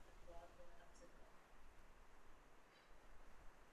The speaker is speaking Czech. Ted jej čeká poprava.